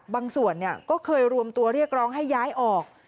บางส่วนก็เคยรวมตัวเรียกร้องให้ย้ายออก